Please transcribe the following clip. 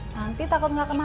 nanti takut gak kemakan